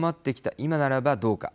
今ならばどうか。